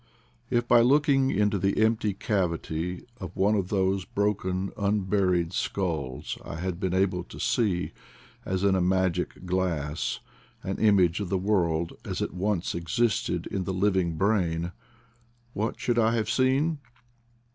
If by looking into the empty cavity of one of those broken unburied skulls I had been able to see, as in a magic glass, an image of the world as it once existed in the living brain, what should I have seen!